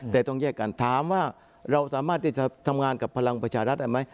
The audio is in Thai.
แต่ต้องแยกกันถามว่าเราสามารถที่จะทำงานกับพลังประชารัฐได้ไหม